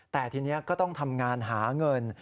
แต่ทีนี้ก็ต้องทำงานหาเงิน